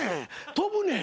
飛ぶねん。